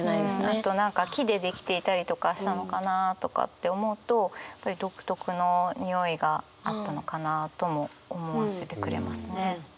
あと何か木で出来ていたりとかしたのかなとかって思うとやっぱり独特のにおいがあったのかなとも思わせてくれますね。